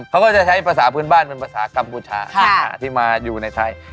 เขาก็จะใช้ภาษาพื้นบ้านเป็นภาษากัมพูชาที่มาอยู่ในไทย